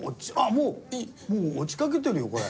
もう落ちかけてるよこれ。